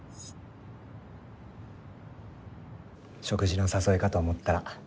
食事の誘いかと思ったら。